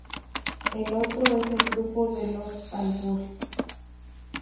El otro es el grupo de los al-butr.